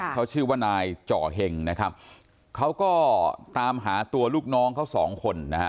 เขาชื่อว่านายจ่อเห็งนะครับเขาก็ตามหาตัวลูกน้องเขาสองคนนะฮะ